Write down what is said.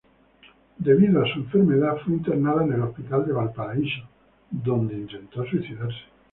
Debido a su enfermedad fue internada en el Hospital de Valparaíso, donde intentó suicidarse.